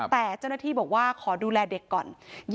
แต่เจ้าหน้าที่บอกว่าขอดูแลเด็กก่อน